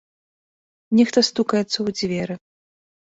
Нехта стукаецца ў дзверы.